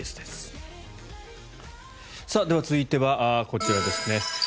では、続いてはこちらですね。